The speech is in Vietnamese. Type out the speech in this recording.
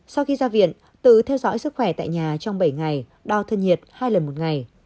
sau khi ra viện từ theo dõi sức khỏe tại nhà trong bảy ngày đo thân nhiệt hai lần một ngày